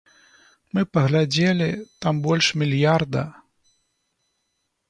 Мы паглядзелі, там больш мільярда.